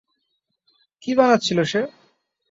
কী বানাচ্ছিল সে?